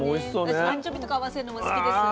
私アンチョビとか合わせるのも好きです。